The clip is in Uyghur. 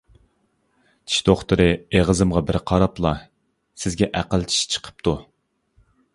چىش دوختۇرى ئېغىزىمغا بىر قاراپلا سىزگە ئەقىل چىش چىقىپتۇ.